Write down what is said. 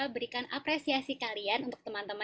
terima kasih semua